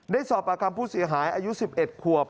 ได้สอบปากรรมผู้เสียหายอายุ๑๑ควบ